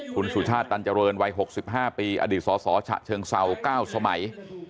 คุณสุชาติตันเจริญวัย๖๕ปีอดีตสสฉะเชิงเศร้า๙สมัย